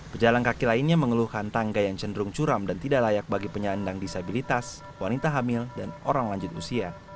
pejalan kaki lainnya mengeluhkan tangga yang cenderung curam dan tidak layak bagi penyandang disabilitas wanita hamil dan orang lanjut usia